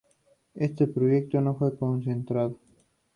Este proyecto no fue concretado.